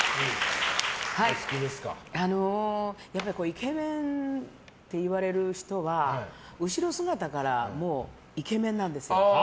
○！イケメンっていわれる人は後ろ姿からもう、イケメンなんですよ。